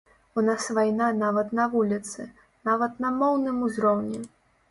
У нас вайна нават на вуліцы, нават на моўным узроўні!